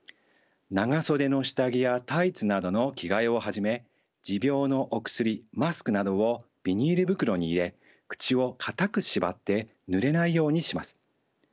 長袖の下着やタイツなどの着替えをはじめ持病のお薬マスクなどをビニール袋に入れ口を固く縛ってぬれないようにします。